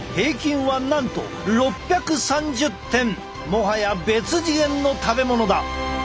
もはや別次元の食べ物だ。